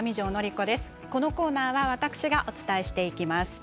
このコーナーは私がお伝えしていきます。